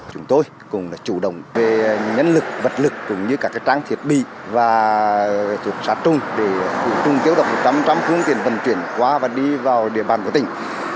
chúng tôi cũng là chủ động về nhân lực vật lực cũng như các trang thiết bị và thuộc xã trung để phụ trung kéo đọc một trăm linh phương tiện vận chuyển qua và đi vào địa bàn của tỉnh